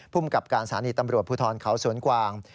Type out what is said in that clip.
ภูมิกับการสถานีตำรวจภูทรเขาสวนกวาง